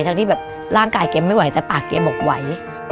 ที่แบบร่างกายแกไม่ไหวแต่ปากแกบอกไหว